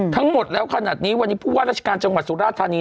ทั้งหมดแล้วขนาดนี้วันนี้ผู้ว่าราชการจังหวัดสุราธานี